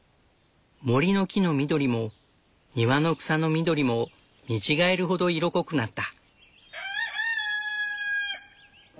森の木の緑も庭の草の緑も見違えるほど色濃くなった。